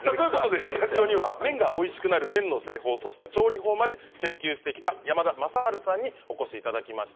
スタジオには麺がおいしくなる麺の製法、そして調理法まで研究してきた山田昌治さんにお越しいただきました。